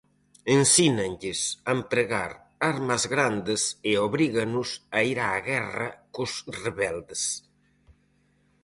Ensínanlles a empregar armas grandes e obríganos a ir á guerra cos rebeldes.